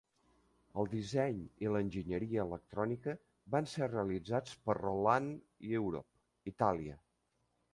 El disseny i l'enginyeria electrònica van ser realitzats per Roland Europe, Itàlia.